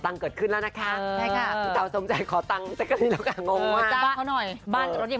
เงินอยู่ป่ะค่ะมีอะไรอ่ะด้านนี้